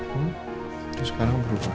terus sekarang berubah lagi